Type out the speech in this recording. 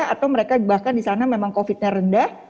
atau mereka bahkan di sana memang covid nya rendah